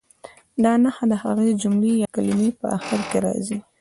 دا نښه د هغې جملې یا کلمې په اخر کې راځي.